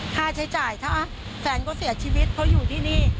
ค่าใช้จ่ายถ้าแฟนก็เสียชีวิตเพราะอยู่ที่นี่